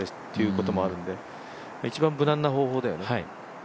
こともあるんで、一番無難な方法だよね。